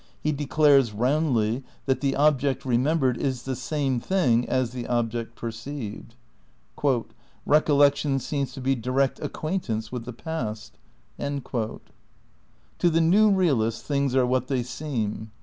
He declares roundly that the object remembered is the same thing as the object perceived. "Kecollection seems to be direct acquaintance with the past." ' To the new realist things are what they seem.